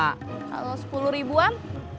kalau sepuluh ribuan